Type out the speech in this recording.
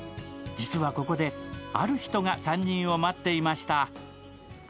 実はここで、ある人が３人を待っていました。